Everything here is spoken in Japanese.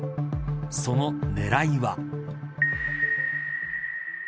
その狙いは。